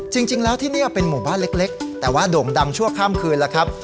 จริงแล้วที่นี่เป็นหมู่บ้านเล็กแต่ว่าโด่งดังชั่วข้ามคืนแล้วครับ